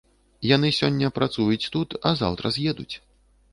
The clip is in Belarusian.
Яны сёння працуюць тут, а заўтра з'едуць.